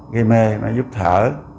ghi mê máy giúp thở